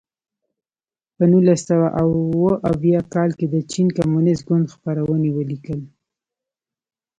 په نولس سوه اووه اویا کال کې د چین کمونېست ګوند خپرونې ولیکل.